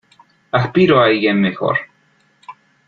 Aspiro a alguien mejor.